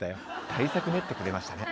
対策練ってくれましたね